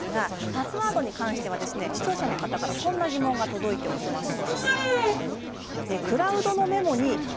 パスワードに関しては視聴者の方からこんな疑問が届いております。